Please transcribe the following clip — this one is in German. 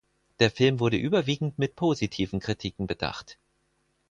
Der Film wurde überwiegend mit positiven Kritiken bedacht.